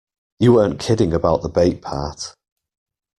You weren't kidding about the bait part.